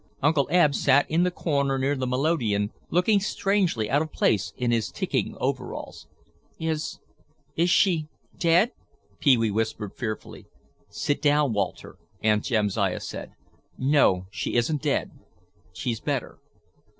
Uncle Eb sat in the corner near the melodeon looking strangely out of place in his ticking overalls. "Is—is she—dead?" Pee wee whispered fearfully. "Sit down, Walter," said Aunt Jamsiah; "no, she isn't dead, she's better."